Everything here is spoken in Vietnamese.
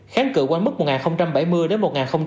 kháng cự quanh mức một nghìn bảy mươi đến một nghìn tám mươi